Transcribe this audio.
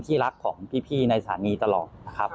ที่รักของพี่ในสถานีตลอด